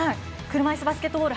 車いすバスケットボール